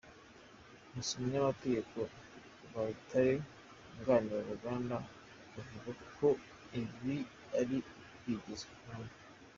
Gusa umunyamategeko Rwayitare wunganira uruganda akavuga ko ibi ari ukwigiza nkana.